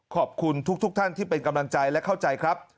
ขอบคุณทุกท่านที่เป็นกำลังใจและเข้าใจครับ